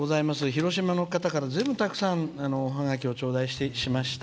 広島の方からずいぶんたくさん、おハガキを頂戴しました。